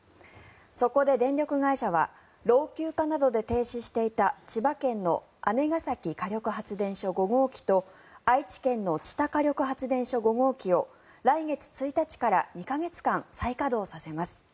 そこで電力会社は老朽化などで停止していた千葉県の姉崎火力発電所５号機と愛知県の知多火力発電所５号機を来月１日から２か月間再稼働させます。